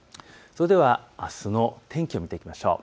それではあすの天気を見ていきましょう。